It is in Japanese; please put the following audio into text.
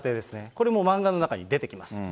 これも漫画の中に出てきます。